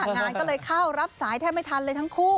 งานก็เลยเข้ารับสายแทบไม่ทันเลยทั้งคู่